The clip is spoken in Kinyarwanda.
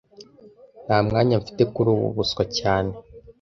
Nta mwanya mfite kuri ubu buswa cyane